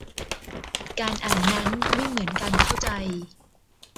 การอ่านนั้นไม่เหมือนการเข้าใจ